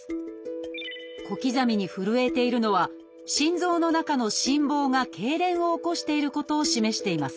小刻みに震えているのは心臓の中の心房がけいれんを起こしていることを示しています。